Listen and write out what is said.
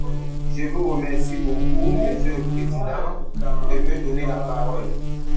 Je vous remercie beaucoup, monsieur le président, de me donner la parole.